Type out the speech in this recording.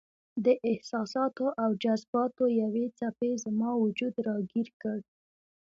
د احساساتو او جذباتو یوې څپې زما وجود راګیر کړ.